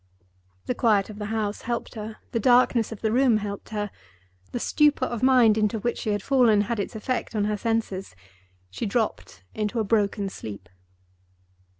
The quiet of the house helped her; the darkness of the room helped her; the stupor of mind into which she had fallen had its effect on her senses; she dropped into a broken sleep.